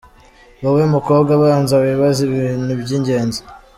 Wowe mukobwa banza wibaze ibi bintu by’ingenzi.